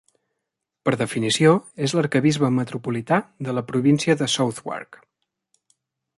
Per definició és l'arquebisbe metropolità de la província de Southwark.